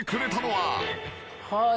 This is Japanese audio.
はい。